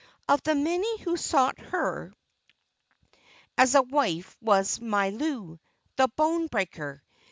Of the many who sought her as a wife was Mailou, "the bone breaker."